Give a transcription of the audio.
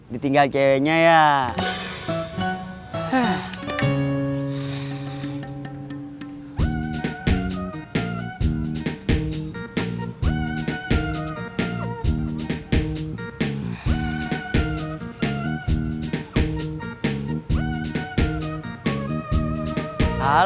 ditinggal ceweknya ya